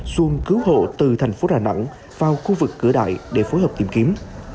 xuân cứu hộ từ thành phố đà nẵng vào khu vực cửa đại để phối hợp tìm kiếm